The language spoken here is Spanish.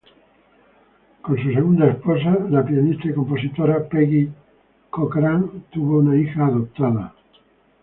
Con su segunda esposa, la pianista y compositora Peggy Cochrane, tuvo una hija adoptada.